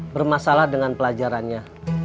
bermasalah dengan pelajarannya